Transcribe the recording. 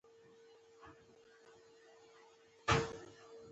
کیمیا د موادو د جوړښت خواصو او بدلونونو علم دی